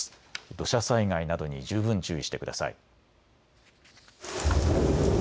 土砂災害などに十分注意してください。